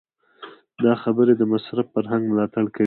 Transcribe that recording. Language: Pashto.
دا خبرې د مصرف فرهنګ ملاتړ کوي.